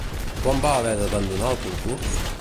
Quan va haver d'abandonar el concurs?